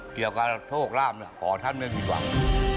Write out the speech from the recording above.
เกี่ยวกับโทษกราบขอท่านไม่ผิดหวัง